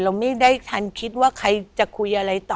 เราไม่ได้ทันคิดว่าใครจะคุยอะไรต่อ